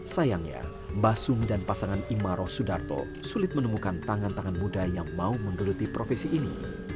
sayangnya mbah sum dan pasangan imaro sudarto sulit menemukan tangan tangan muda yang mau menggeluti profesi ini